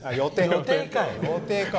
予定か。